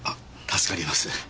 助かります。